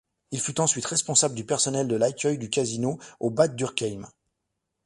Il fut ensuite responsable du personnel de l’accueil au Casino de Bad Dürkheim.